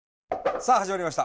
さあ始まりました。